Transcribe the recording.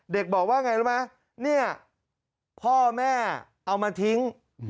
เด็กบอกว่าอย่างไรรู้ไหมพ่อแม่เอามาทิ้ง